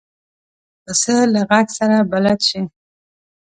پسه له غږ سره بلد شي.